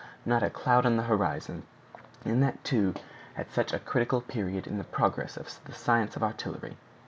"Not a cloud on the horizon! and that too at such a critical period in the progress of the science of artillery!